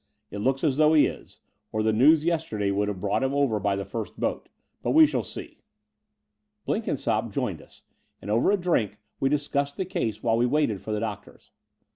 It looks as though he is; or the news yesterday would have brought him over by the first boat. But we shall see* Blenkinsopp joined us ; and over a drink we dis « cussed the case while we waited for the doctors.